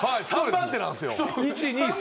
３番手なんですよ。